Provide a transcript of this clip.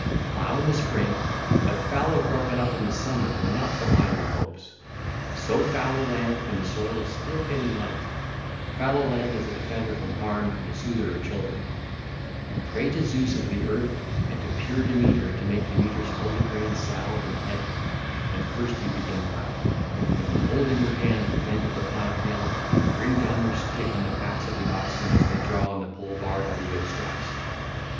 Plough in the spring; but fallow broken up in the summer will not belie your hopes. Sow fallow land when the soil is still getting light: fallow land is a defender from harm and a soother of children. (ll. 465 478) Pray to Zeus of the Earth and to pure Demeter to make Demeter's holy grain sound and heavy, when first you begin ploughing, when you hold in your hand the end of the plough tail and bring down your stick on the backs of the oxen as they draw on the pole bar by the yoke straps.